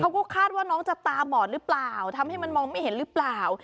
เขาก็คาดว่าน้องจะตาบอดหรือเปล่าทำให้มันมองไม่เห็นหรือเปล่า